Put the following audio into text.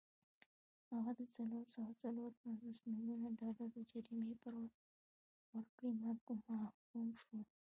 هغه د څلور سوه څلور پنځوس میلیونه ډالرو جریمې پر ورکړې محکوم شو.